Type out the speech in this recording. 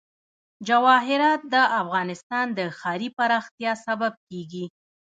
جواهرات د افغانستان د ښاري پراختیا سبب کېږي.